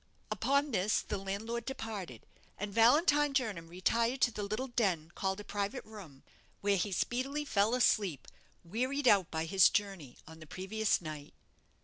Upon this the landlord departed, and Valentine Jernam retired to the little den called a private room, where he speedily fell asleep, wearied out by his journey on the previous night.